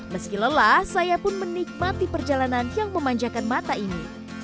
meski lelah saya pun menikmati perjalanan yang memanjakan mata ini